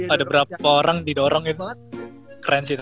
ada berapa orang didorongin keren sih tapi